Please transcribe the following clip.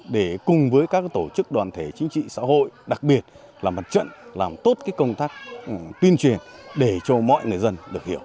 để cùng với các tổ chức đoàn thể chính trị xã hội đặc biệt là mặt trận làm tốt công tác tuyên truyền để cho mọi người dân được hiểu